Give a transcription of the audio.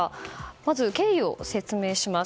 まず経緯を説明します。